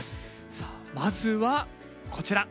さあまずはこちら。